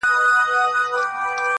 o اول کوه احتياط، اوستری مه کوه پسات.